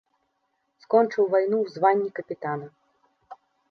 Скончыў вайну ў званні капітана.